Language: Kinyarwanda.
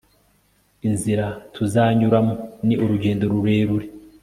r/ inzira tuzanyuramo, ni urugendo rurerure